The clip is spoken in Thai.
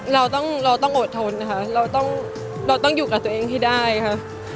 เราต้องเราต้องอดทนนะคะเราต้องอยู่กับตัวเองให้ได้ค่ะ